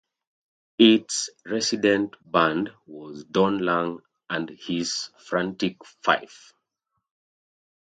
Its resident band was Don Lang and his Frantic Five.